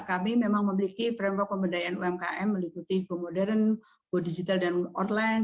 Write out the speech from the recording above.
kami memang memiliki framework pemberdayaan umkm meliputi go modern go digital dan online